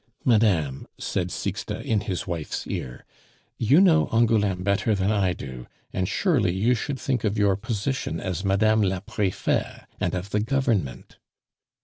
"Madame," said Sixte in his wife's ear, "you know Angouleme better than I do, and surely you should think of your position as Mme. la Prefete and of the Government?"